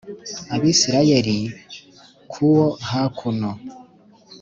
Abisirayeli ku wo hakuno